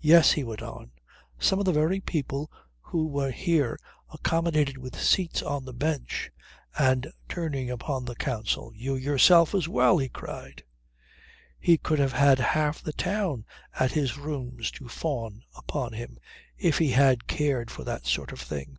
Yes he went on some of the very people who were there accommodated with seats on the bench; and turning upon the counsel "You yourself as well," he cried. He could have had half the town at his rooms to fawn upon him if he had cared for that sort of thing.